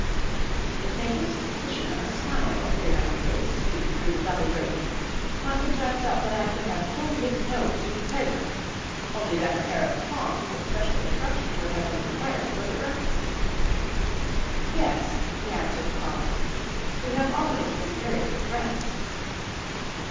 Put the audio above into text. The faintest suspicion of a smile appeared on the face seen through the double grating; on which I felt that I could have pulled his nose with pleasure only that a pair of tongs of special construction would have been required for the purpose. "Yes," he answered calmly, "we have always been very good friends."